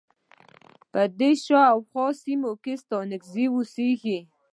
په دې شا او خواه سیمه کې ستانکزی اوسیږی.